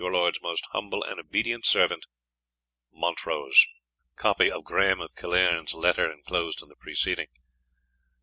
Lords most humble and obedient servant, "MONTROSE" COPY OF GRAHAME OF KILLEARN'S LETTER, ENCLOSED IN THE PRECEDING.